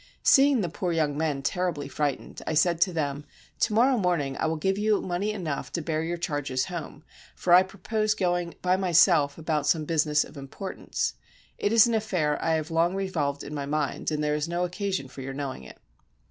Seeing the poor young men terribly frightened, I said to them, "To morrow morning I will give you money enough to bear your charges home, for I propose going by myself about some business of importance: it is an affair I have long revolved in my mind, and there is no occasion for your knowing it."